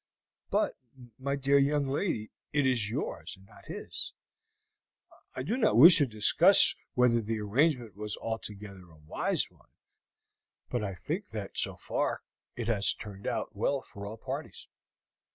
"But, my dear young lady, it is yours, and not his. I do not wish to discuss whether the arrangement was altogether a wise one, but I think that so far it has turned out well for all parties.